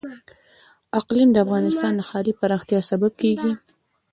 اقلیم د افغانستان د ښاري پراختیا سبب کېږي.